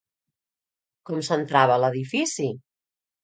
Com s'entrava a l'edifici?